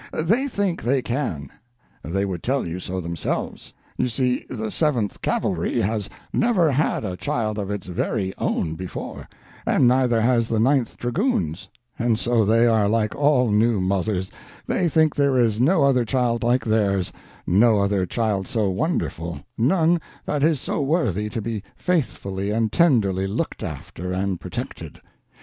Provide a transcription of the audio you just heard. They think they can. They would tell you so themselves. You see, the Seventh Cavalry has never had a child of its very own before, and neither has the Ninth Dragoons; and so they are like all new mothers, they think there is no other child like theirs, no other child so wonderful, none that is so worthy to be faithfully and tenderly looked after and protected.